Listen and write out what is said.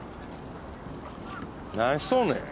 何しとんねん。